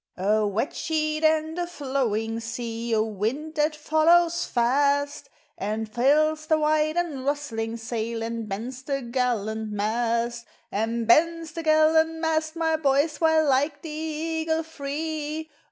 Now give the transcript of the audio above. A wet sheet and a flowing sea, — A wind that follows fast, And fills the white and rustling sail, And bends the gallant mast — And bends the gallant mast, my boys, WTiile, like the eagle free, 400 POEMS OF MATURE.